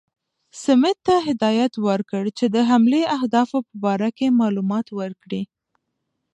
سمیت ته هدایت ورکړ چې د حملې اهدافو په باره کې اطلاع ورکړي.